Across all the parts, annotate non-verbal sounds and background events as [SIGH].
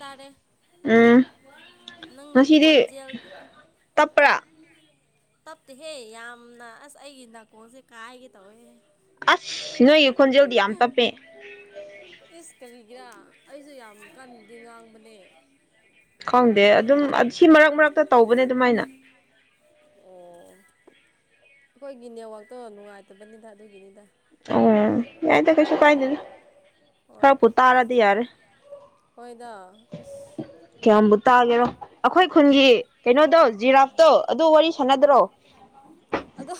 ꯇꯔꯦ ꯎꯝ ꯉꯁꯤꯗꯤ ꯇꯞꯄ꯭ꯔꯥ ꯇꯞꯇꯦꯍꯦ ꯌꯥꯝꯅ ꯑꯁ ꯑꯩꯒꯤ ꯅꯥꯀꯣꯟꯁꯦ ꯀꯥꯏꯒꯦ ꯇꯧꯋꯦꯍꯦ ꯑꯁ ꯅꯣꯏꯒꯤ ꯈꯣꯟꯖꯦꯜꯗꯤ ꯌꯥꯝ ꯇꯞꯄꯦ ꯏꯁꯁ ꯀꯔꯤꯒꯤꯔꯥ ꯑꯩꯁꯨ ꯌꯥꯝ ꯀꯟꯅꯗꯤ ꯉꯥꯡꯕꯅꯦ ꯈꯪꯗꯦ ꯑꯗꯨꯝ ꯁꯤ ꯃꯔꯛ ꯃꯔꯛꯇ ꯇꯧꯕꯅꯦ ꯑꯗꯨꯃꯥꯏꯅ ꯑꯣ ꯑꯩꯈꯣꯏꯒꯤ ꯅꯦꯋꯥꯛꯇꯣ ꯅꯨꯡꯉꯥꯏꯇꯕꯅꯤꯗ ꯑꯗꯨꯒꯤꯅꯤꯗ ꯑꯣ ꯌꯥꯏꯗ ꯀꯩꯁꯨ ꯀꯥꯏꯗꯦꯅ ꯍꯣꯏ ꯈꯔ ꯐ ꯇꯥꯔꯗꯤ ꯌꯥꯔꯦ ꯍꯣꯏꯗ ꯀꯌꯥꯝꯕꯨ ꯇꯥꯒꯦꯔꯣ ꯑꯩꯈꯣꯏ ꯈꯨꯟꯒꯤ ꯀꯩꯅꯣꯗꯣ ꯖꯤꯔꯥꯞꯇꯣ ꯑꯗꯨ ꯋꯥꯔꯤ ꯁꯥꯟꯅꯗ꯭ꯔꯣ ꯑꯗꯣ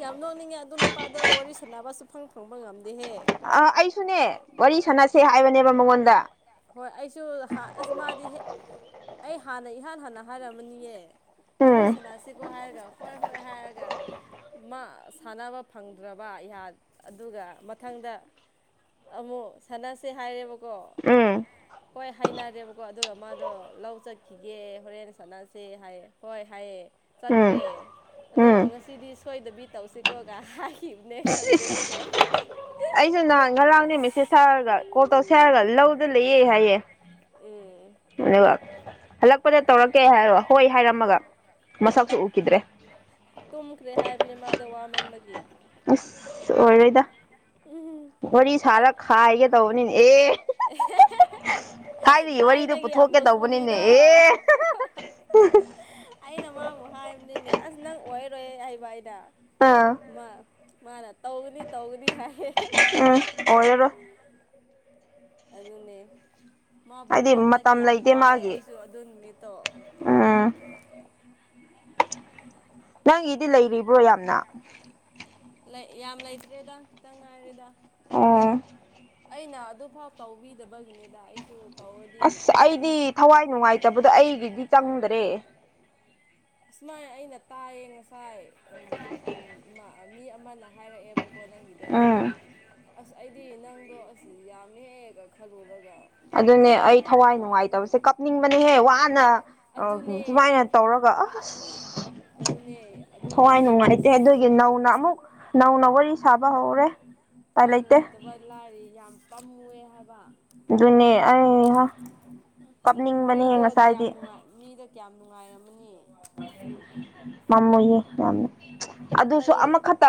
ꯌꯥꯝ ꯅꯣꯛꯅꯤꯡꯉꯦ ꯑꯗꯨ ꯅꯨꯄꯥꯗ ꯋꯥꯔꯤ ꯁꯥꯟꯅꯕꯁꯨ ꯐꯪ ꯐꯪꯕ ꯉꯝꯗꯦꯍꯦ ꯑ ꯑꯩꯁꯨꯅꯦ ꯋꯥꯔꯤ ꯁꯥꯟꯅꯁꯦ ꯍꯥꯏꯕꯅꯦꯕ ꯃꯉꯣꯟꯗ ꯍꯣꯏ ꯑꯩꯁꯨ ꯑꯁ ꯃꯥꯗꯤ ꯑꯩ ꯍꯥꯟꯅ ꯏꯍꯥꯟ ꯍꯥꯟꯅ ꯍꯥꯏꯔꯝꯃꯅꯤꯌꯦ ꯋꯥꯔꯤ ꯎꯝ ꯁꯅꯥꯁꯤꯕꯨꯣ ꯍꯥꯏꯔꯒ ꯍꯣꯏ ꯍꯣꯏ ꯍꯥꯏꯔꯒ ꯁꯥꯟꯅꯕ ꯐꯪꯗ꯭ꯔꯕ ꯑꯗꯨꯒ ꯃꯊꯪꯗ ꯑꯃꯨꯛ ꯁꯥꯟꯅꯁꯦ ꯍꯥꯏꯔꯦꯕꯀꯣ ꯎꯝ ꯍꯣꯏ ꯍꯥꯏꯅꯔꯦꯕꯀꯣ ꯑꯗꯨꯒ ꯃꯥ ꯑꯗꯣ ꯂꯧ ꯆꯠꯈꯤꯒꯦ ꯍꯣꯔꯦꯟ ꯁꯥꯟꯅꯁꯦ ꯍꯥꯏ ꯍꯣꯏ ꯍꯥꯏꯌꯦ ꯎꯝ ꯆꯠꯈ꯭ꯔꯦ ꯑꯗꯣ ꯎꯝ ꯉꯁꯤꯗꯤ ꯁꯣꯏꯗꯕꯤ ꯇꯧꯁꯤꯀꯣꯒ ꯍꯥꯏꯈꯤꯕꯅꯦ ꯈꯪꯗꯦ ꯇꯧꯔꯛꯇꯦ ꯑꯩꯁꯨ ꯅꯍꯥꯟ ꯉꯔꯥꯡꯅꯦ ꯃꯦꯁꯦꯁ ꯊꯥꯔꯒ ꯀꯣꯜ ꯇꯧꯁꯦ ꯍꯥꯏꯔꯒ ꯂꯧ ꯑꯗꯨ ꯂꯩꯌꯦ ꯍꯥꯏꯌꯦꯦ ꯎꯝ ꯂꯩꯕꯥꯛ ꯍꯜꯂꯛꯄꯗ ꯇꯧꯔꯛꯀꯦ ꯍꯥꯏꯔꯣ ꯍꯣꯏ ꯍꯥꯏꯔꯝꯃꯒ ꯃꯁꯛꯁꯨ ꯎꯈꯤꯗ꯭ꯔꯦ ꯄꯨꯅꯤꯃꯥ ꯋꯥꯃꯟꯕꯒ ꯑꯁ ꯑꯣꯏꯔꯣꯏꯗ ꯎꯝ ꯋꯥꯔꯤ ꯁꯥꯔ ꯑꯩ ꯈꯥꯏꯒꯦ ꯇꯧꯕꯅꯤꯅꯦ ꯑꯦ ꯍꯥꯏꯔꯤꯌꯦ ꯋꯥꯔꯤꯗ ꯊꯥꯏꯅꯒꯤ ꯄꯨꯊꯣꯛꯀꯦ ꯇꯧꯕꯅꯤꯅꯦ ꯑꯃꯣꯁꯄꯨꯔꯤꯗꯣ ꯑꯦ ꯑꯩꯅ ꯃꯥꯕꯨ ꯍꯥꯏꯕꯅꯤꯅꯦ ꯑꯁ ꯅꯪ ꯑꯣꯏꯔꯣꯏ ꯍꯥꯏꯕ ꯍꯥꯏꯅ ꯑꯥ ꯃꯥꯅ ꯇꯧꯒꯅꯤ ꯇꯧꯒꯅꯤ ꯍꯥꯏꯌꯦ ꯎꯝ ꯑꯣꯏ ꯌꯔꯣ ꯑꯗꯨꯅꯦ ꯃꯥꯕꯨ ꯍꯥꯏꯗꯤ ꯉꯥꯏꯕꯗ ꯃꯇꯝ ꯌꯥꯝ ꯂꯩꯇꯦ ꯋꯥꯏ ꯃꯥꯒꯤ ꯑꯩꯁꯨ ꯑꯗꯨ ꯅꯨꯃꯤꯠꯇꯣ ꯎꯝ ꯅꯪꯒꯤꯗꯤ ꯂꯩꯔꯤꯕ꯭ꯔꯣ ꯌꯥꯝꯅ ꯌꯥꯝ ꯂꯩꯇ꯭ꯔꯦꯗ ꯈꯤꯇꯪ ꯉꯥꯏꯔꯦꯗ ꯑ ꯑꯩꯅ ꯑꯗꯨꯐꯥꯎ ꯇꯧꯕꯤꯗꯕꯒꯤꯅꯤꯗ ꯑꯩꯁꯨ ꯇꯧꯔꯗꯤ ꯑꯁ ꯑꯩꯗꯤ ꯊꯨꯅ ꯊꯋꯥꯏ ꯅꯨꯡꯉꯥꯏꯇꯕꯗꯣ ꯑꯩꯒꯤꯗꯤ ꯆꯪꯗ꯭ꯔꯦ ꯑꯁꯨꯃꯥꯏ ꯑꯩꯅ ꯇꯥꯏꯌꯦ ꯉꯁꯥꯏ ꯏꯃꯥ [UNINTELLIGIBLE] ꯃꯤ ꯑꯃꯅ ꯍꯥꯏꯔꯛꯑꯦꯕꯀꯣ ꯅꯪꯒꯤꯗꯣ ꯎꯝ ꯑꯁ ꯑꯩꯗꯤ ꯅꯪꯗꯣ ꯑꯁꯤ ꯌꯥꯝꯃꯦꯑꯦꯒ ꯈꯜꯂꯨꯔꯒ ꯑꯗꯨꯅꯦ ꯑꯩ ꯊꯋꯥꯏ ꯅꯨꯡꯉꯥꯏꯇꯕꯁꯦ ꯀꯞꯅꯤꯡꯕꯅꯦꯍꯦ ꯋꯥꯅ ꯑ ꯑꯗꯨꯅꯦ ꯁꯨꯃꯥꯏꯅ ꯇꯧꯔꯒ ꯑ ꯑꯗꯨꯅꯦ ꯑꯗꯣ ꯍꯋꯥꯏ ꯑꯁ ꯅꯨꯡꯉꯥꯏꯇꯦ ꯑꯗꯨꯒꯤ ꯅꯧꯅ ꯑꯃꯨꯛ ꯅꯧꯅ ꯋꯥꯔꯤ ꯁꯥꯕ ꯍꯧꯔꯦ ꯎꯄꯥꯏ ꯍꯣꯏ ꯂꯩꯇꯦ ꯅꯨꯡꯉꯥꯏꯇꯕ ꯂꯥꯏꯔꯤ ꯌꯥꯝ ꯄꯝꯃꯨꯑꯦ ꯍꯥꯏꯕ ꯨꯅꯤ ꯑ ꯍꯥ ꯎ ꯃꯤꯗꯣ ꯀꯌꯥꯝ ꯅꯨꯡꯉꯥꯏ ꯃꯤꯗꯣ ꯀꯌꯥꯝ ꯅꯨꯡꯉꯥꯏꯔꯝꯃꯅꯤ ꯃꯝꯃꯣꯏꯌꯦ ꯌꯥꯝꯅ ꯑꯗꯨꯁꯨ ꯑꯇꯩ ꯑꯃꯈꯛꯇ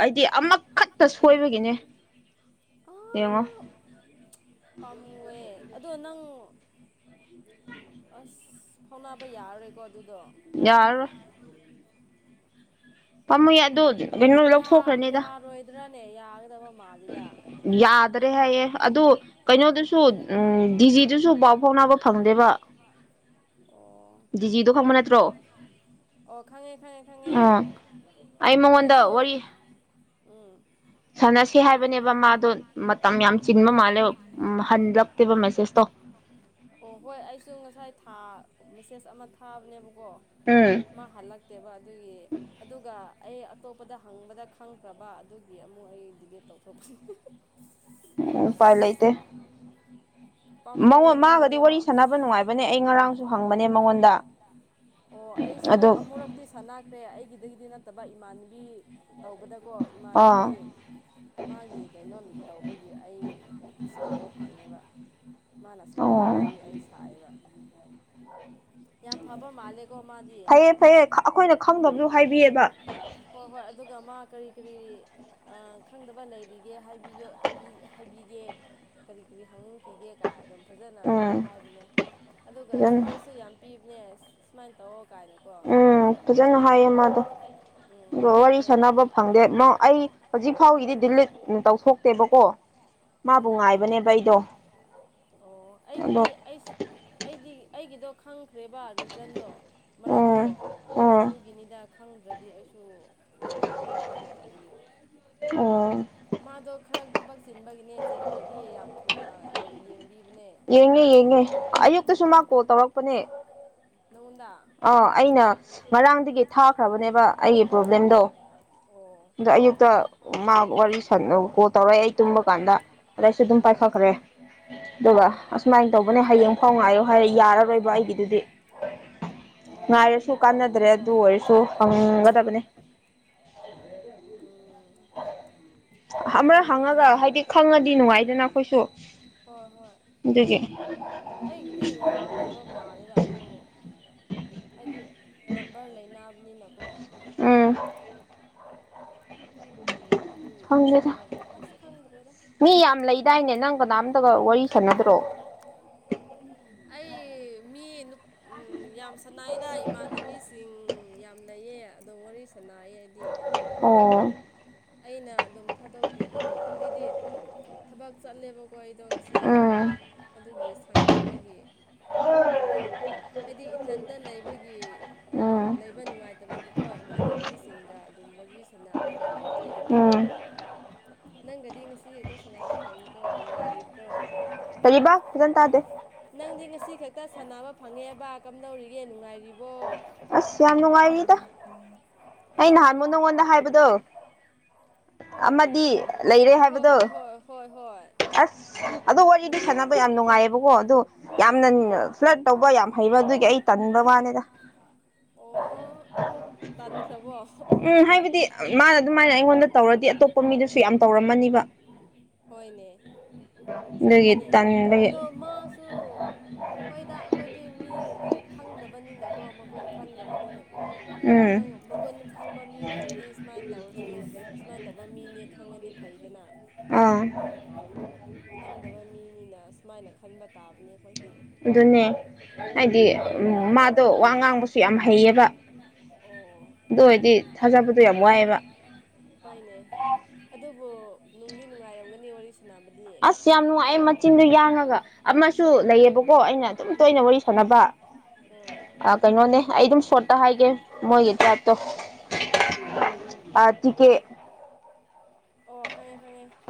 ꯍꯥꯏꯗꯤ ꯑꯃ ꯈꯠꯇ ꯁꯣꯏꯕꯒꯤꯅꯦ ꯑ ꯌꯦꯡꯉꯣ ꯄꯥꯝꯃꯨꯑꯦ ꯑꯗꯣ ꯅꯪ ꯑꯁ ꯐꯥꯎꯅꯕ ꯌꯥꯔꯔꯣꯏꯀꯣ ꯑꯗꯨꯗꯣ ꯌꯔ ꯄꯥꯝꯃꯨ ꯌꯥ ꯑꯗ ꯀꯩꯅꯣ ꯂꯧꯊꯣꯛꯈ꯭ꯔꯅꯤꯗ ꯅꯦ ꯌꯥꯒꯗꯕ ꯃꯥꯜꯂꯤꯗ ꯐꯗ꯭ꯔꯦ ꯍꯥꯏꯌꯦ ꯑꯗꯨ ꯀꯩꯅꯣꯗꯨꯁꯨ ꯎꯝ ꯗꯤꯖꯤꯗꯨꯁꯨ ꯄꯥꯎ ꯐꯥꯎꯅꯕ ꯐꯪꯗꯦꯕ ꯑꯣ ꯗꯤꯖꯤꯗꯣ ꯈꯪꯕ ꯅꯠꯇ꯭ꯔꯣ ꯑꯣ ꯈꯪꯉꯦ ꯈꯪꯉꯦ ꯈꯪꯉꯦ ꯎꯝ ꯑꯩꯁꯨ ꯎꯝ ꯁꯝꯅꯁꯤ ꯀꯦ ꯍꯥꯏꯕꯅꯦꯕ ꯃꯥꯗꯣ ꯃꯇꯝ ꯌꯥꯝ ꯎꯝ ꯆꯤꯟꯕ ꯃꯥꯜꯂꯦ ꯍꯟꯂꯛꯇꯦꯕ ꯃꯦꯁꯦꯁꯇꯣ ꯑꯣ ꯍꯣꯏ ꯑꯩꯁꯨ ꯉꯁꯥꯏꯥ ꯃꯦꯁꯦꯖ ꯑꯃ ꯊꯥꯕꯅꯦꯕꯀꯣ ꯎꯝ ꯃꯥ ꯍꯜꯂꯛꯇꯦꯕ ꯑꯗꯨꯒꯤ ꯑꯗꯨꯒ ꯑꯩ ꯑꯇꯣꯞꯄꯗ ꯍꯪꯕꯗ ꯈꯪꯈ꯭ꯔꯕ ꯑꯗꯨꯒꯤ ꯑꯃꯨꯛ ꯑꯩ ꯗꯤꯂꯤꯦꯠ ꯇꯧꯊꯣꯛꯄꯅꯤ ꯎ ꯄꯥꯏꯂ ꯏꯇꯦ ꯃꯉ ꯄꯥꯝꯃꯨꯑꯦ ꯃꯥꯒꯗꯤ ꯅꯪꯒꯤꯗꯣ ꯋꯥꯔꯤ ꯑꯁ ꯁꯥꯟꯅꯕ ꯅꯨꯡꯉꯥꯏꯕꯅꯦ ꯑꯩ ꯉꯔꯥꯡꯁꯨ ꯍꯪꯕꯅꯦ ꯃꯉꯣꯟꯗ ꯑꯣ ꯑꯩꯁꯨ ꯑꯗꯣ ꯑꯃꯨꯔꯛꯇꯤ ꯁꯥꯟꯅꯈ꯭ꯔꯦ ꯑꯩꯒꯤꯗꯒꯤꯗꯤ ꯅꯠꯇꯕ ꯏꯃꯥꯟꯅꯕꯤ ꯇꯧꯕꯗꯀꯣ ꯏꯃꯥꯟꯅꯕꯤ ꯑꯥ ꯃꯥꯒꯤ ꯀꯩꯅꯣ ꯇꯧꯕꯒꯤ ꯑꯩ ꯁꯥꯕ ꯐꯪꯉꯦꯕ ꯃꯥꯅ ꯑꯣ ꯁꯑꯣ ꯍꯥꯏꯔꯒꯤ ꯑꯩ ꯁꯥꯏꯑꯕ ꯌꯥꯝ ꯐꯕ ꯃꯥꯂꯦ ꯐꯩꯌꯦꯦ ꯐꯩꯌꯦ ꯑꯩꯈꯣꯏꯅ ꯈꯪꯗꯕꯗꯨ ꯍꯥꯏꯕꯤꯌꯦꯕ ꯍꯣꯏ ꯍꯣꯏ ꯑꯗꯨꯒ ꯃꯥ ꯀꯔꯤ ꯀꯔꯤ ꯑ ꯈꯪꯗꯕ ꯂꯩꯔꯤꯒꯦ ꯍꯥꯏꯕꯤꯒꯦ ꯀꯔꯤ ꯀꯔꯤ ꯍꯪꯅꯤꯡꯈꯤꯒꯦ ꯀꯥꯏ ꯑꯗꯨꯝ ꯐꯖꯅ ꯎꯝ ꯍꯥꯏꯕꯅꯦ ꯑꯗꯨꯒ ꯐꯖꯅ ꯁꯖꯦꯁꯁꯨ ꯌꯥꯝ ꯄꯤꯕꯅꯦ ꯁꯨꯃꯥꯏꯅ ꯇꯧ ꯎꯝ ꯐꯖꯅ ꯍꯥꯏꯌꯦ ꯃꯥꯗꯣ ꯎꯝ ꯑꯗ ꯋꯥꯔꯤ ꯐꯩꯌꯦ ꯁꯥꯟꯅꯕ ꯐꯪꯗꯦ ꯑꯩ ꯍꯧꯖꯤꯛ ꯐꯥꯎꯒꯤꯗꯤ ꯗꯤꯂꯤꯠ ꯇꯧꯊꯣꯛꯇꯦꯕꯀꯣ ꯃꯥꯕꯨ ꯎꯝ ꯉꯥꯏꯕꯅꯦꯕ ꯑꯩꯗꯣ ꯑꯣ ꯑꯗꯣ ꯑꯩꯒꯤꯗꯤ ꯑꯩꯁꯨ ꯑꯩꯗꯤ ꯑꯩꯒꯤꯗꯣ ꯈꯪꯈ꯭ꯔꯦꯕ ꯔꯤꯖꯟꯗꯣ ꯎꯝ ꯃꯔꯝꯗꯣ ꯎꯝ ꯑꯗꯨꯒꯤꯅꯤꯗ ꯈꯪꯗ꯭ꯔꯗꯤ ꯑꯩꯁꯨ ꯇꯧꯔꯣꯏꯗ ꯈꯪꯈ꯭ꯔꯕꯒꯤ ꯎꯝ ꯃꯥꯗꯣ ꯈꯔ ꯊꯕꯛ ꯆꯤꯟꯕꯒꯤꯅꯦ ꯆꯤꯟꯗ꯭ꯔꯗꯤ ꯌꯥꯝ ꯊꯨꯅ ꯇꯧ ꯌꯦꯡꯉꯦ ꯌꯦꯡꯉꯦ ꯑꯌꯨꯛꯇꯁꯨ ꯃꯥꯥꯛꯀꯣ ꯇꯧꯔꯛꯄꯅꯤ ꯃꯣꯡꯗꯥ ꯑꯥ ꯑꯩꯅ ꯉꯔꯥꯡꯗꯒꯤ ꯊꯥꯈ꯭ꯔꯕꯅꯦꯕ ꯑꯩꯒꯤ ꯄ꯭ꯔꯣꯕ꯭ꯂꯦꯝꯗꯣ ꯑꯣ ꯑꯗ ꯑꯌꯨꯛꯇ ꯃꯥ ꯋꯥꯔꯤ ꯁ ꯀꯣꯜ ꯇꯧꯔꯛꯑꯦ ꯑꯩ ꯇꯨꯝꯕ ꯀꯥꯟꯗ ꯑꯗꯩꯁꯨ ꯑꯗꯨꯝ ꯑꯣ ꯄꯥꯏꯈꯈ꯭ꯔꯦ ꯑꯗꯨꯒ ꯑꯣ ꯑꯁꯨꯃꯥꯏꯅ ꯇꯧꯕꯅꯦ ꯍꯌꯦꯡ ꯐꯥꯎ ꯉꯥꯏꯌꯣ ꯍꯥꯏꯔ ꯌꯥ ꯑꯣꯏꯣꯏꯕ ꯑꯩꯒꯤꯗꯨꯗꯤ ꯑꯣ ꯉꯥꯏꯔꯁꯨ ꯌꯥꯔꯗꯤ ꯀꯥꯟꯅꯗ꯭ꯔꯦ ꯐꯅꯤꯗꯀꯣ ꯑꯗꯨ ꯑꯣꯏꯔꯁꯨ ꯐꯪꯒꯗꯕꯅꯤ ꯎꯝ [UNINTELLIGIBLE] ꯑꯃꯔ ꯄꯥꯝꯃꯨꯌꯦꯍꯦ ꯍꯪꯉꯒ ꯍꯥꯏꯗꯤ ꯅꯪꯒꯤꯗꯨꯗꯤ ꯈꯪꯉꯗꯤ ꯅꯨꯡꯉꯥꯏꯗꯅ ꯑꯩꯈꯣꯏꯁꯨ ꯍꯣꯏ ꯍꯣꯏ ꯑꯗꯨꯗꯒꯤ ꯑꯩꯒꯤꯗꯤ ꯌꯥꯒꯗꯕ ꯃꯥꯂꯦꯗ ꯑꯗꯨ ꯍꯥꯏꯗꯤ ꯅꯝꯕꯔ ꯂꯩꯅꯥ ꯎꯝ [UNINTELLIGIBLE] ꯑꯗꯨ ꯏꯗ ꯈꯪꯗꯦꯗ ꯁꯉꯒ ꯑꯁ ꯈꯪꯗ꯭ꯔꯦꯗ ꯃꯤ ꯌꯥꯝ ꯂꯩꯗꯥꯏꯅꯦ ꯅꯪ ꯀꯅꯥꯝꯇꯒ ꯋꯥꯔꯤ ꯁꯥꯟꯅꯗ꯭ꯔꯣ ꯑꯩ ꯃꯤ ꯌꯥꯝ ꯁꯅꯥꯏꯗ ꯏꯃꯥꯟꯅꯕꯤꯁꯤꯡ ꯌꯥꯝ ꯂꯩꯌꯦ ꯑꯗꯣ ꯋꯥꯔꯤ ꯅꯏ ꯍꯥꯏꯗꯤ ꯑꯣ ꯑꯩꯅ ꯑꯗꯨꯝ ꯊꯥꯗꯣꯛꯄꯤꯕꯒꯤ ꯍꯥꯏꯗꯤ ꯊꯕꯛ ꯆꯠꯂꯦꯕ ꯀꯣꯏꯗꯣꯡꯁꯤ ꯎꯝ ꯑꯗꯨꯒꯤ ꯐꯪꯗꯕꯒꯤꯅꯤꯗ ꯍꯥꯏꯗꯤ ꯏꯊꯟꯇ ꯂꯩꯕꯒꯤ ꯎ ꯎꯝ ꯂꯩꯕ ꯅꯨꯡꯉꯥꯏꯇꯕꯒꯤꯀꯣ ꯏꯃꯥꯟꯅꯕꯤꯁꯤꯡꯒ ꯑꯗꯨꯝ ꯋꯥꯔꯤ ꯁꯥꯟꯅꯔꯒ ꯂꯩꯕ ꯎꯝ ꯅꯪꯒꯗꯤ ꯉꯁꯤ ꯍꯦꯛꯇ ꯁꯥꯟꯅꯕ ꯐꯩꯗꯣ ꯅꯨꯡꯉꯥꯏꯔꯤꯕ꯭ꯔꯣ ꯀꯔꯤꯕ ꯑꯗꯨ ꯇꯗꯦ ꯅꯪꯗꯤ ꯉꯁꯤ ꯈꯛꯇ ꯁꯥꯟꯅꯕ ꯐꯪꯉꯦꯕ ꯀꯝꯗꯧꯔꯤꯒꯦ ꯅꯨꯡꯉꯥꯏꯔꯤꯕꯣ ꯑꯁ ꯌꯥꯝ ꯅꯨꯡꯉꯥꯏꯔꯤꯗ ꯑꯩ ꯑꯁ ꯅꯍꯥꯟꯃ ꯅꯉꯣꯟꯗ ꯍꯥꯏꯕꯗꯣ ꯀꯔꯤ ꯑꯃꯗꯤ ꯂꯩꯔꯦ ꯍꯣꯏ ꯍꯣꯏ ꯍꯥꯏꯕꯗꯣ ꯍꯣꯏ ꯍꯣꯏ ꯍꯣꯏ ꯍꯣꯏ ꯑꯁ ꯑꯗꯨ ꯋꯥꯔꯤꯗꯤ ꯀꯃꯥꯏ ꯁꯥꯟꯅꯕ ꯌꯥꯝ ꯅꯨꯡꯉꯥꯏꯌꯦꯕꯀꯣ ꯑꯣ ꯑꯥ ꯌꯥꯝꯅ ꯐ꯭ꯂꯠ ꯇꯧꯕ ꯌꯥꯝ ꯍꯩꯕꯗꯨꯒꯤ ꯑꯩ ꯇꯟꯕ ꯃꯥꯅꯤꯗ ꯑꯣ ꯑꯃꯨꯛ ꯇꯟꯈ꯭ꯔꯕꯣ ꯎꯝ ꯍꯥꯏꯕꯗꯤ ꯃꯥꯅ ꯑꯗꯨꯃꯥꯏꯅ ꯑꯩꯉꯣꯟꯗ ꯇꯧꯔꯗꯤ ꯑꯇꯣꯞꯄ ꯃꯤꯗꯨꯁꯨ ꯌꯥꯝ ꯇꯧꯔꯝꯃꯅꯤꯕ ꯍꯣꯏꯅꯦ ꯑꯗꯨꯒꯤ ꯆꯃꯤꯅꯦ ꯇꯟꯕꯒꯤ ꯑꯗꯣ ꯃꯥꯁꯨ ꯍꯣꯏꯗ ꯑꯩꯈꯣꯏꯗꯤ ꯃꯤ ꯈꯪꯗꯕꯅꯤꯅꯀꯣ ꯃꯒꯨꯟ ꯈꯪꯗꯕꯅꯤꯅꯀꯣ ꯎꯝ ꯃꯒꯨꯟ ꯈꯪꯕ ꯃꯤ ꯑꯣꯏꯔꯗꯤ ꯁꯨꯃꯥꯏꯅ ꯇꯧꯔꯁꯨ ꯁꯨꯃꯥꯏꯅ ꯇꯧꯕ ꯃꯤꯅꯤ ꯈꯪꯉꯗꯤ ꯐꯩꯗꯅꯤ ꯑꯥ ꯈꯪꯗꯕ ꯃꯤꯅꯤꯅ ꯁꯨꯃꯥꯏꯅ ꯈꯟꯕ ꯇꯥꯕꯅꯦ ꯑꯩꯈꯣꯏꯗꯤ ꯑꯗꯨꯅꯦ ꯍꯥꯏꯗꯤ ꯎꯝ ꯃꯥꯗꯣ ꯋꯥ ꯉꯥꯡꯕꯁꯨ ꯌꯥꯝ ꯍꯩꯌꯦꯕ ꯑꯣ ꯑꯗꯨ ꯑꯣꯏꯗꯤ ꯊꯥꯖꯕꯗꯣ ꯌꯥꯝ ꯋꯥꯏꯑꯦꯕ ꯑ ꯍꯣꯏꯅꯦ ꯑꯗꯨꯕꯨ ꯅꯨꯡꯗꯤ ꯅꯨꯡꯉꯥꯏꯔꯝꯒꯅꯤ ꯋꯥꯔꯤ ꯁ ꯑꯁ ꯌꯥꯝ ꯅꯨꯡꯉꯥꯏꯑꯦ ꯃꯆꯤꯟꯗꯨꯣ ꯌꯥꯡꯉꯒ ꯑꯃꯁꯨ ꯂꯩꯌꯦꯕꯀꯣ ꯑꯩꯅ ꯑꯗꯨꯝ ꯇꯣꯏꯅ ꯎꯝ ꯋꯥꯔꯤ ꯁꯥꯟꯅꯕ ꯎꯝ ꯑ ꯀꯩꯅꯣꯅꯦ ꯑꯩ ꯑꯗꯨꯝ ꯁ ꯍꯥꯏꯒꯦ ꯃꯣꯏꯒꯤ ꯍꯣꯏ ꯇꯇꯣ ꯍꯣꯏ ꯑ ꯇꯤꯀꯦ ꯑꯣꯐ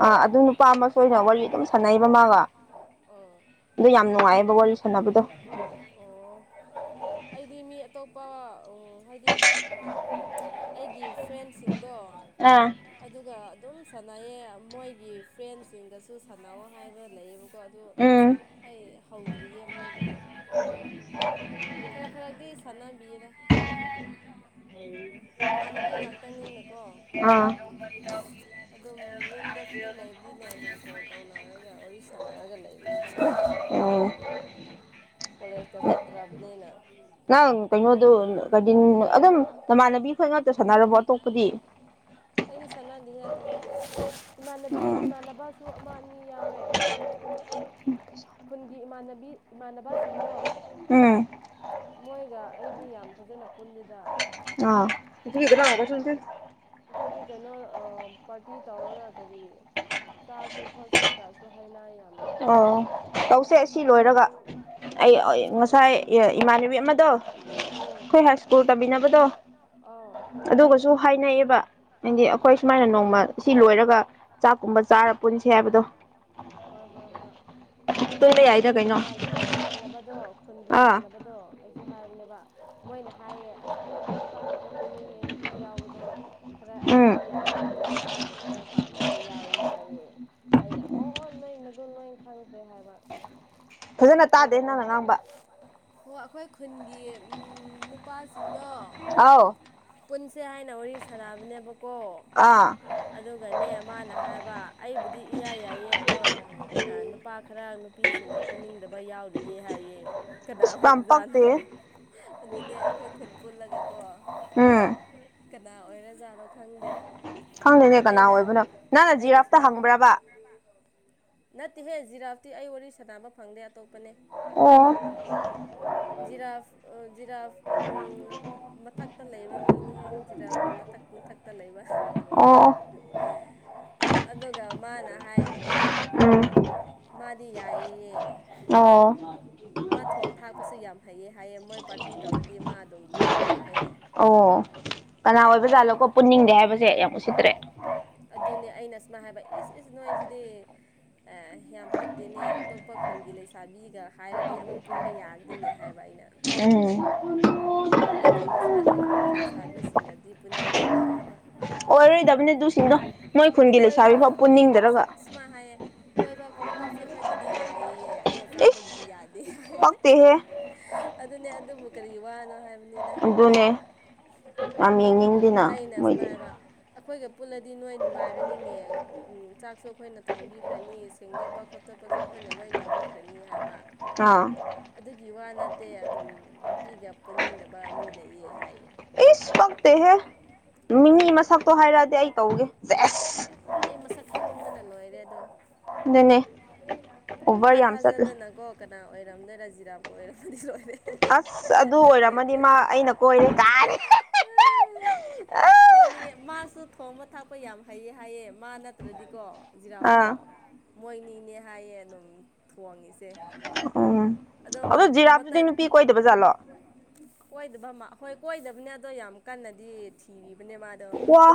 ꯑꯥ ꯑꯗꯨ ꯅꯨꯄꯥ ꯑꯃꯁ ꯑꯣꯏꯅ ꯋꯥꯔꯤ ꯑꯗꯨꯝ ꯁꯥꯟꯅꯩꯕ ꯃꯥꯒ ꯑꯥ ꯑꯗꯨ ꯌꯥꯝ ꯅꯨꯡꯉꯥꯏꯌꯦ ꯕ ꯋꯥꯔꯤ ꯁꯥꯟꯅꯕꯗꯣ ꯑꯣ ꯑꯩꯗꯤ ꯃꯤ ꯑꯇꯣꯞꯄ ꯍꯥꯏꯗꯤ ꯑꯩꯒꯤ ꯐ꯭ꯔꯦꯟꯁꯤꯡꯗꯣ ꯑꯥ ꯑꯗꯨꯒ ꯑꯗꯨꯝ ꯁꯥꯟꯅꯩꯑꯌꯦ ꯃꯣꯏꯒꯤ ꯐ꯭ꯔꯦꯟꯁꯤꯡꯗꯁꯨ ꯁꯥꯟꯅꯑꯣ ꯍꯥꯏꯕ ꯂꯩꯌꯦꯕ ꯀꯣ ꯑꯗꯨ ꯎꯝ ꯑꯩ ꯍꯧꯗ꯭ꯔꯤꯌꯦ ꯃꯣꯏꯕꯨꯗꯤ ꯈꯔ ꯈꯔꯗꯤ ꯁꯥꯟꯅꯥꯕꯤꯦꯗ ꯏꯃꯥꯟꯅꯕꯤ ꯉꯥꯛꯇꯪꯅꯤꯅꯀꯣ ꯑꯥ ꯑꯗꯨꯝ ꯌꯨꯝꯗ ꯐ꯭ꯔꯤ ꯂꯩꯕꯅꯤꯅ ꯑꯗꯨꯝ ꯀꯣꯜ ꯇꯧꯅꯔꯒ ꯋꯥꯔꯤ ꯁꯥꯟꯅꯔꯒ ꯂꯩꯕꯅꯤ ꯚꯥꯏ ꯑꯣ ꯀꯣꯂꯦꯖ ꯀ ꯁꯇ꯭ꯔ ꯑꯕꯅꯤꯅ ꯅꯪ ꯀꯩꯅꯩꯅꯣ ꯑꯗꯨ ꯀꯗꯤ ꯑꯗꯨ ꯑꯗꯨꯝ ꯅꯃꯥꯟꯅꯕꯤ ꯈꯈꯣꯏ ꯉꯥꯛꯇ ꯁꯥꯟꯅꯔꯕꯣ ꯑꯇꯣꯞꯄꯗꯤ ꯑꯩꯗꯤ ꯁꯅꯥꯗꯤ ꯍꯦꯛ ꯇꯧꯕꯗꯤ ꯏꯃꯥꯟꯅꯕꯤ ꯎꯝ ꯏꯃꯥꯟꯅꯕꯁꯨ ꯑꯃ ꯑꯅꯤ ꯌꯥꯎꯋꯦ ꯈꯨꯟꯒꯤ ꯏꯃꯥꯟꯅꯕꯤ ꯏꯃꯥꯟꯅꯕꯁꯤꯡꯗꯣ ꯎꯝ ꯃꯣꯏꯒ ꯑꯩꯗꯤ ꯌꯥꯝ ꯐꯖꯅ ꯄꯨꯜꯜꯂꯤꯗ ꯏ ꯄꯥꯡꯒ ꯁꯨꯝ ꯑꯩꯈꯣꯏꯗꯤ ꯀꯩꯅꯣ ꯄꯥꯔꯇꯤ ꯇꯧꯔꯒ ꯀꯔꯤ ꯆꯥꯁꯦ ꯈꯣꯠꯁꯦ ꯀꯁꯨ ꯍꯥꯏꯅ ꯑꯣ ꯇꯧꯁꯦ ꯁꯤ ꯂꯣꯏꯔꯒ ꯑꯩ ꯍꯣꯏ ꯉꯁꯥꯏ ꯏꯃꯥꯟꯅꯕꯤ ꯑꯃꯗꯣ ꯎꯝ ꯑꯩꯈꯣꯏ ꯍꯥꯏ ꯁ꯭ꯀꯨꯜ ꯇꯝꯕꯤꯅꯕꯗꯣ ꯑꯧ ꯈꯪꯉꯦ ꯈꯪꯉꯦ ꯑꯗꯨꯒꯁꯨ ꯍꯥꯏꯅꯩꯌꯦꯕ ꯍꯥꯏꯗꯤ ꯑꯣ ꯑꯩꯈꯣꯏ ꯑꯣ ꯁꯨꯃꯥꯏꯅ ꯅꯣꯡꯃ ꯁꯤ ꯂꯣꯏꯔꯒ ꯆꯥꯛꯀꯨꯝꯕ ꯆꯥꯔ ꯄꯨꯟꯁꯦ ꯍꯥꯏꯕꯗꯣ ꯍꯣꯏ ꯍꯣꯏ ꯍꯣꯏ [UNINTELLIGIBLE] ꯑꯩꯁꯨ ꯄꯨꯟꯕ ꯌꯥꯏꯗ ꯍꯥꯏꯕꯅꯦ ꯀꯩꯅꯣ ꯏꯃꯥꯟꯅꯕꯗꯣ ꯈꯨꯟꯒꯤ ꯑꯥ ꯏꯃꯥꯟꯅꯕꯗꯣ ꯑꯩꯁꯨ ꯍꯥꯏꯕꯅꯦꯕ ꯃꯣꯏꯅ ꯍꯥꯏꯌꯦ ꯑꯁ ꯑꯩꯈꯣꯏꯗꯤ ꯅꯨꯄꯥ ꯈꯛꯇ ꯄꯨꯟꯅꯤꯡꯉꯦ ꯅꯨꯄꯤ ꯌꯥꯎꯕꯗꯣ ꯈꯔ ꯎꯝ ꯑꯩꯕꯨꯗꯤ ꯌꯥꯏꯌꯦ ꯑꯗꯣ ꯅꯨꯄꯥꯁꯤꯡ ꯈꯔ ꯄꯥꯝꯗꯕ ꯌꯥꯎꯏꯤ ꯍꯥꯏꯌꯦ ꯑꯩꯅ ꯨ ꯅꯣꯏꯩꯅꯒꯨꯜ ꯅꯣꯏꯅ ꯈꯪꯗ꯭ꯔꯦ ꯍꯥꯏꯕ ꯐꯖꯅ ꯇꯥꯗꯦ ꯅꯪꯅ ꯉꯥꯡꯕ ꯍ ꯑꯩꯈꯣꯏ ꯈꯨꯟꯒꯤ ꯎꯝ ꯅꯨꯄꯥꯁꯤꯡ ꯑꯥꯎ ꯁꯦ ꯍꯥꯏꯅ ꯋꯥꯔꯤ ꯁꯥꯟꯅꯕꯅꯦꯕ ꯀꯣ ꯑꯥ ꯑꯗꯨꯒꯅꯦ ꯃꯥꯅ ꯍꯥꯏꯕ ꯑꯩꯕꯨꯗꯤ ꯏꯌꯥ ꯌꯥꯏꯌꯦ ꯑꯗꯣ ꯅꯨꯄꯥ ꯈꯔ ꯅꯨꯄꯤꯁꯤꯡꯒ ꯄꯨꯅꯤꯡꯗꯕ ꯌꯥꯎꯔꯤꯌꯦꯦ ꯍꯥꯏꯌꯦ ꯀꯅꯥ ꯑꯁ ꯌꯥꯝ ꯄꯛꯇꯦ ꯍꯣꯏꯖꯥꯠꯅꯣ ꯑꯗꯨꯅꯦ ꯑꯩꯈꯣꯏ ꯈꯨꯟ ꯄꯨꯜꯂꯒꯀꯣ ꯍ ꯀꯅꯥ ꯑꯣꯏꯔꯖꯥꯠꯅꯣ ꯈꯪꯗꯦ ꯈꯪꯗꯦꯅꯦ ꯀꯅꯥ ꯑꯩꯅ ꯑꯣꯏꯕꯅꯣ ꯅꯪꯅ ꯑꯩꯅ ꯖꯤꯔꯥꯞꯇ ꯁꯨꯃꯥꯏ ꯍꯪꯕ꯭ꯔꯕ ꯅꯠꯇꯦꯍꯦ ꯖꯤꯔꯥꯞꯇꯤ ꯑꯩ ꯋꯥꯔꯤ ꯁꯥꯟꯗꯥꯕ ꯐꯪꯗꯦ ꯑꯇꯣꯞꯄ ꯑꯣ ꯖꯤꯔꯥꯐ ꯖꯤꯔꯥꯐ ꯎ ꯃꯊꯛꯇ ꯂꯩꯕ ꯃꯤꯅꯤꯍꯦ ꯖꯤꯔꯥꯐꯀꯤ ꯃꯊꯛ ꯃꯨ ꯊꯥꯛ ꯇ ꯂꯩꯕ ꯑꯣ ꯑꯗꯨꯒ ꯃꯥꯅ ꯍꯥꯏꯌꯦꯕꯀꯣ ꯎꯝ ꯃꯗꯤ ꯌꯥꯏꯌꯦꯌꯦ ꯑꯣ ꯍꯥꯄꯁꯨ ꯌꯥꯝ ꯍꯩꯑ ꯍꯥꯏꯌꯦꯦ ꯃꯣꯏ ꯄꯥꯔꯇꯤ ꯇꯧꯔꯗꯤ ꯃꯥ ꯑꯗꯨꯝ ꯊꯣꯡꯉꯦ ꯍꯥꯏꯌꯦ ꯑꯣ ꯀꯅꯥ ꯑꯣꯏꯕꯖꯥꯠꯂꯣꯀꯣ ꯄꯨꯟꯅꯤꯡꯗꯦ ꯍꯥꯏꯕꯁꯦ ꯌꯥꯝ ꯎꯁꯤꯠꯇ꯭ꯔꯦ ꯑꯗꯨꯅꯦ ꯑꯩꯅ ꯑꯁꯃꯥꯏ ꯍꯥꯏꯕ ꯏꯁ ꯏꯁ ꯅꯅꯨꯡꯉꯥꯏꯁꯤꯗꯤ ꯌꯥꯝ ꯐꯠꯇꯦꯅꯦ ꯑꯇꯣꯞꯄ ꯈꯨꯟꯒꯤ ꯂꯩꯁꯥꯕꯤꯒ ꯍꯥꯏꯔꯗꯤ ꯑꯃꯨꯛ ꯄꯨꯟꯕ ꯌꯥꯒꯅꯤꯅꯦ ꯍꯥꯏꯕ ꯑꯩꯅ ꯎꯝ ꯃꯈꯣꯏ ꯃꯁꯥꯒꯤ ꯈꯨꯟꯒꯤ ꯂꯩꯁꯥꯕꯤꯁꯤꯡꯒꯗꯤ ꯄꯨꯅꯤꯡꯗꯦꯅꯦ ꯍꯥꯏꯕ ꯑꯣꯏꯔꯣꯏꯗꯕꯅꯦ ꯑꯗꯨꯁꯤꯡꯅꯣ ꯃꯣꯏ ꯈꯨꯟꯒꯤ ꯀꯣꯏꯕ ꯂꯩꯁꯥꯕꯤꯐꯥꯎ ꯄꯨꯟꯅꯤꯡꯗ꯭ꯔꯒ ꯁꯨꯃꯥꯏ ꯍꯥꯏꯌꯦ ꯀꯣꯏꯕ ꯈꯣꯠꯄ ꯆꯠꯄꯒꯤꯗꯤ ꯌꯥꯏꯌꯦꯌꯦ ꯑꯗꯨꯒ ꯏꯁ ꯆꯥꯕꯒꯤꯗꯤ ꯌꯥꯗꯦ ꯄꯛꯇꯦꯍꯦ ꯑꯗꯨꯅꯦ ꯑꯗꯨꯕꯨ ꯀꯔꯤ ꯋꯥꯅꯣ ꯍꯥꯏꯕ ꯑꯗꯨꯅꯦ ꯌꯥꯝ ꯌꯦꯡꯅꯤꯡꯗꯦꯅ ꯑꯩꯅ ꯁꯨꯃꯥꯏ ꯃꯣꯏꯗꯤ ꯍꯥꯏꯕ ꯑꯩꯈꯣꯏꯒ ꯄꯨꯜꯂꯗꯤ ꯅꯣꯏ ꯅꯨꯡꯉꯥꯏꯔꯅꯤꯉ ꯆꯥꯛꯁꯨ ꯑꯩꯈꯣꯏꯅ ꯊꯣꯡꯕꯤꯈ꯭ꯔꯅꯤ ꯁꯦꯡꯗꯣꯛꯄ ꯈꯣꯠꯇ ꯑꯇꯣꯞꯄꯁꯨ ꯑꯩꯈꯣꯏꯅ ꯂꯣꯏꯅ ꯇꯧꯕꯤꯈ꯭ꯔꯅꯤ ꯍꯥꯏꯕ ꯑꯥ ꯑꯗꯨꯒꯤ ꯋꯥ ꯅꯠꯇꯦ ꯑꯗꯨꯝ ꯅꯨꯄꯤꯒ ꯄꯨꯟꯅꯤꯡꯗꯕ ꯃꯤ ꯂꯩꯌꯦ ꯍꯥꯏꯌꯦ ꯀꯛꯇꯦꯍꯦ ꯃꯤꯅꯤ ꯑꯗꯨꯅꯦ ꯃꯁꯛꯇꯣ ꯍꯥꯏꯔꯛꯑꯗꯤ ꯑꯩ ꯇꯧꯒꯦ ꯑꯦꯁ ꯑꯩ ꯃꯁꯛ ꯈꯪꯅꯤꯡꯕꯅ ꯂꯣꯏꯔꯦ ꯑꯗꯣ ꯑꯗꯨꯅꯦ ꯑꯣꯚꯔ ꯏꯊꯥ ꯌꯥꯝ ꯆꯠꯂꯦ ꯊꯥꯖꯗꯅꯀꯣ ꯀꯅꯥ ꯑꯣꯏꯔꯝꯅ ꯔꯥꯖꯤꯔꯥꯞꯀ ꯑꯣꯏꯔꯝꯃꯗꯤ ꯂꯣꯏꯔꯦ ꯑꯁ ꯑꯗꯨ ꯑꯣꯏꯔꯝꯃꯅꯤ ꯃꯥ ꯑꯩꯅ ꯀꯣꯏꯔꯦ ꯇꯥꯔꯦ ꯑ ꯅꯧꯅꯤꯡꯉꯦ ꯃꯥꯁꯨ ꯊꯣꯡꯕ ꯊꯥꯛꯄ ꯌꯥꯝ ꯍꯩꯌꯦ ꯍꯥꯏꯌꯦ ꯃꯥ ꯅꯠꯇ꯭ꯔꯗꯤꯀꯣ ꯖꯤꯔꯥꯐꯇꯣ ꯑꯥ ꯃꯣꯏꯅꯤꯅꯦ ꯍꯥꯏꯌꯦ ꯑꯗꯨꯝ ꯊꯣꯡꯉꯤꯁꯦ ꯎꯝ ꯑꯗꯣ ꯃꯥ ꯖꯤꯔꯥꯞꯇꯗꯤ ꯃꯇꯟ ꯅꯨꯄꯤ ꯀꯣꯏꯗꯕꯖꯥꯠꯂꯣ ꯀꯣꯏꯗꯕ ꯍꯣꯏ ꯀꯣꯏꯗꯕꯅꯦ ꯑꯗꯣ ꯌꯥꯝ ꯀꯟꯅꯗꯤ ꯊꯤ ꯣ ꯋꯥ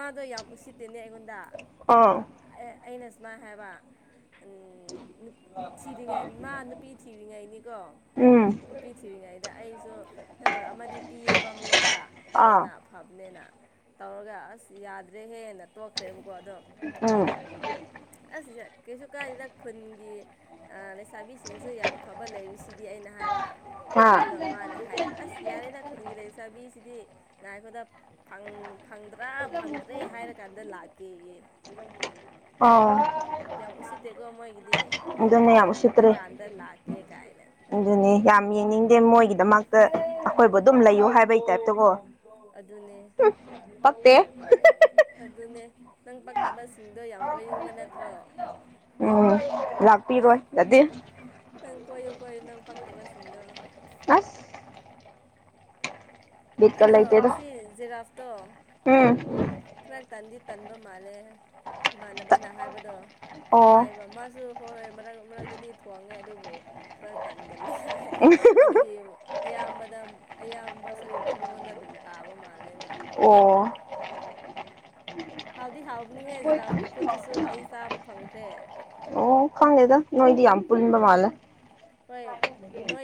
ꯑꯗꯣ ꯌꯥꯝ ꯎꯁꯤꯠꯇꯦꯅꯦ ꯑꯩꯉꯣꯟꯗ ꯗ ꯑꯥ ꯑꯩꯅ ꯁꯨꯃꯥꯏꯅ ꯍꯥꯏꯕ [UNINTELLIGIBLE] ꯊꯤꯔꯤꯉꯩꯅꯤ ꯃꯥ ꯅꯨꯄꯤ ꯊꯤꯔꯤꯉꯩꯅꯤꯀꯣ ꯎꯝ ꯅꯨꯄꯤ ꯊꯤꯔꯤꯉꯩꯗ ꯑꯩꯁꯨ ꯅꯝꯕꯔ ꯑꯃꯗꯤ ꯄꯤꯌꯦꯕ ꯃꯉꯣꯟꯗ ꯑꯥ ꯇꯧꯑꯣꯅ ꯐꯕꯅꯦꯅ ꯇꯧꯔꯒ ꯑꯁ ꯌꯥꯗ꯭ꯔꯦꯍꯦꯟꯅ ꯇꯣꯛꯈ꯭ꯔꯦꯕ ꯀꯣ ꯑꯗꯣ ꯎꯝ ꯑꯩꯅ ꯑꯁꯤꯁꯦ ꯀꯩꯁꯨ ꯀꯥꯏꯗꯗ ꯈꯨꯟꯒꯤ ꯥꯕꯤꯁꯤꯡꯁꯨ ꯌꯥꯝ ꯐꯕ ꯂꯩꯔꯤꯁꯤꯗꯤ ꯑꯩꯅ ꯍꯥꯏꯕ ꯑꯥ ꯑꯗꯨꯒ ꯃꯥꯅ ꯍꯥꯏꯌꯦ ꯑꯁ ꯌꯥꯔꯦꯗ ꯈꯨꯗꯤꯡꯒꯤ ꯂꯩ ꯆꯥꯕꯤꯁꯤꯗꯤ ꯉꯥꯏꯈꯗ ꯐꯪ ꯐꯪꯗ꯭ꯔꯥ ꯐꯪꯗ꯭ꯔꯦ ꯍꯥꯏꯔꯀꯥꯟꯗ ꯂꯥꯛꯀꯦꯌꯦ ꯑꯣ ꯌꯥꯝ ꯎꯁꯤꯠꯇꯦꯀꯣ ꯃꯣꯏꯒꯤꯗꯤ ꯌꯥꯝ ꯐꯪꯗꯕ ꯎꯁꯤꯠꯇ꯭ꯔꯦ ꯀꯥꯟꯗ ꯂꯥꯛꯀꯦ ꯀꯥꯏ ꯑꯗꯨꯅꯦ ꯌꯥꯝ ꯌꯦꯡꯅꯤꯡꯗꯦ ꯃꯣꯏꯒꯤꯗꯃꯛꯇ ꯑꯩꯈꯣꯏꯕꯨ ꯑꯗꯨꯝ ꯂꯩꯌꯨ ꯍꯥꯏꯕꯩ ꯇꯥꯏꯞꯇꯀꯣ ꯑꯗꯨꯅꯦ ꯐꯠꯇꯦ ꯑꯗꯨꯅꯦ ꯅꯪ ꯄꯛꯇꯕꯁꯤꯡꯗꯣ ꯌꯥꯝ ꯀꯣꯏꯅꯤꯡꯕ ꯅꯠꯇ꯭ꯔꯣ ꯎꯝ ꯂꯥꯛꯄꯤꯔꯣꯏ ꯑꯗꯨꯗꯤ ꯪ ꯀꯌꯣ ꯀꯣꯏꯣ ꯅꯪ ꯄꯛꯇꯕꯁꯗꯣ ꯑꯁ ꯕꯤꯠꯀ ꯑꯗꯣ ꯂꯩꯇꯦꯗ ꯑꯁꯤ ꯖꯦꯔꯥꯐꯇꯣ ꯎꯝ ꯈꯔ ꯇꯥꯟꯗꯤ ꯇꯟꯕ ꯃꯥꯜꯂꯦ ꯏꯃꯥꯟꯅꯕꯅ ꯍꯥꯏꯕꯗꯣ ꯑꯣ ꯍꯥꯏꯕ ꯃꯥꯁꯨ ꯍꯣꯏ ꯍꯣꯏ ꯃꯔꯛ ꯃꯔꯛꯇꯗꯤ ꯊꯣꯡꯉꯦ ꯑꯗꯨꯕꯨ ꯈꯔ ꯇꯥꯟꯒꯂ ꯍꯥꯏ ꯑꯗꯨꯒꯤ ꯑꯌꯥꯝꯕꯅ ꯑꯌꯥꯝꯕ ꯁꯔꯨꯛꯇ ꯃꯉꯣꯟꯗ ꯑꯗꯨꯝ ꯇꯥꯕ ꯃꯥꯜꯂꯦꯕ ꯑꯣ ꯍꯥꯎꯗꯤ ꯍꯥꯎ ꯐꯪꯈ꯭ꯔꯦ ꯑꯣ ꯈꯪ ꯂꯩꯦꯗ ꯅꯣꯏꯗꯤ ꯌꯥꯝꯝ ꯄꯨꯂꯤꯕ ꯃꯥꯂ ꯍꯣꯏ